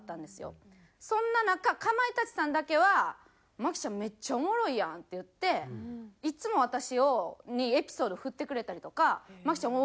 そんな中かまいたちさんだけは「麻貴ちゃんめっちゃおもろいやん」って言っていつも私にエピソードを振ってくれたりとか「麻貴ちゃん